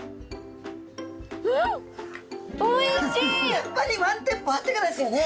やっぱりワンテンポあってからですよね。